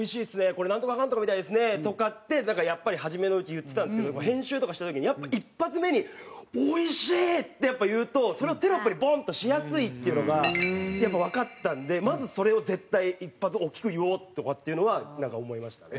「これナントカカントカみたいですね」とかってやっぱり初めのうち言ってたんですけど編集とかした時に一発目に「おいしい！」って言うとそれをテロップにボンッとしやすいっていうのがやっぱわかったんでまずそれを絶対一発大きく言おうとかっていうのは思いました。